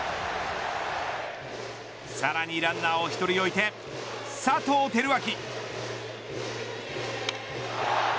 さらにランナーを１人置いて佐藤輝明。